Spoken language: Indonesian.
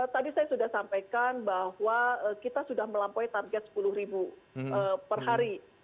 tadi saya sudah sampaikan bahwa kita sudah melampaui target sepuluh ribu per hari